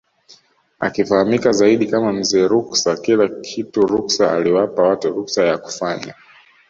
Akifahamika zaidi kama Mzee Ruksa Kila kitu ruksa aliwapa watu ruksa ya kufanya